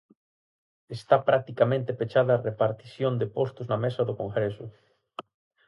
Está practicamente pechada a repartición de postos na Mesa do Congreso.